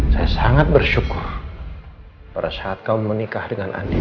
saya sangat bersyukur pada saat kamu menikah dengan andin